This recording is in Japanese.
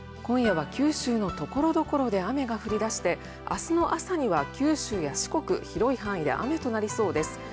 今夜は、九州の所々で雨が降り出して、明日の朝には、九州や四国の広い範囲で雨となりそうです。